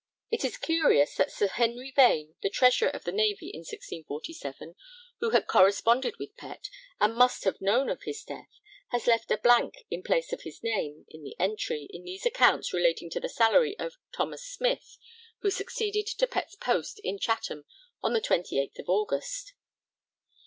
It is curious that Sir Henry Vane, the Treasurer of the Navy in 1647, who had corresponded with Pett, and must have known of his death, has left a blank in place of his name in the entry in these accounts relating to the salary of Thomas Smith, who succeeded to Pett's post at Chatham on the 28th August.